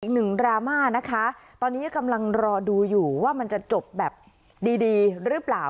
ดราม่านะคะตอนนี้กำลังรอดูอยู่ว่ามันจะจบแบบดีดีหรือเปล่า